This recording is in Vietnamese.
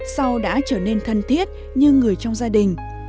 sau đã trở nên thân thiết như người trong gia đình